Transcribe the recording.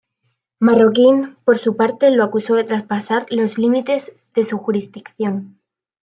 Marroquín por su parte lo acusó de traspasar los límites de su jurisdicción.